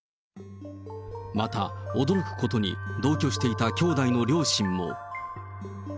また、驚くことに、同居していた兄弟の両親も。